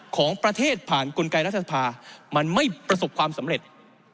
ของประเทศผ่านกลไกรัฐสภามันไม่ประสบความสำเร็จ